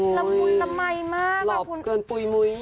ละมุนละมัยมากคุณคุณหล่อเกินปุ่ยมุย